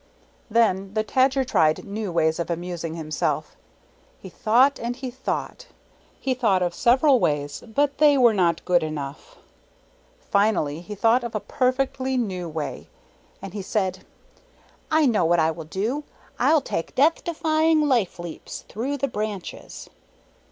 Then the Tadger tried new ways of amusing himself. He thought and he thought. He thought of several ways, but they were not good enough. Finally he thought of a perfectly new way; and he said, " I know what I will do; I'll take Death defy ing life leaps through the branches."